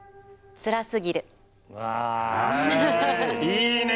いいね！